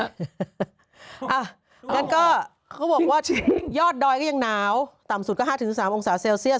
งั้นก็เขาบอกว่ายอดดอยก็ยังหนาวต่ำสุดก็๕๓องศาเซลเซียส